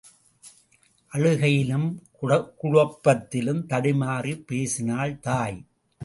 அழுகையிலும் குழப்பத்திலும் தடுமாறிப் பேசினாள் தாய்.